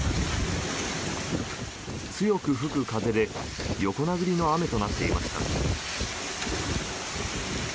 強く吹く風で横殴りの雨となっていました。